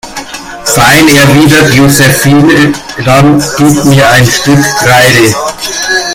Fein, erwidert Josephine, dann gib mir ein Stück Kreide.